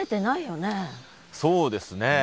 そうですね